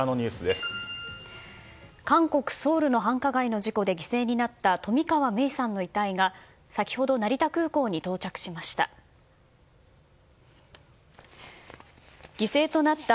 韓国ソウルの繁華街の事故で犠牲になった冨川芽生さんの遺体が先ほど成田空港に到着しました。